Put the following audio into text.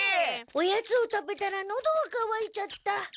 おやつを食べたらのどがかわいちゃった。